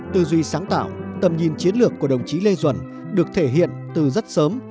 tư duy sáng tạo tầm nhìn chiến lược của đồng chí lê duẩn được thể hiện từ rất sớm